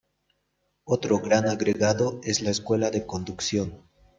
Otro gran agregado es la escuela de conducción.